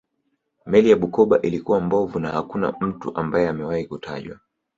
Meli ya Bukoba ilikuwa mbovu na hakuna mtu ambaye amewahi kutajwa